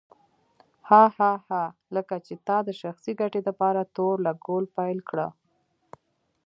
هه هه هه لکه چې تا د شخصي ګټې دپاره تور لګول پيل کړه.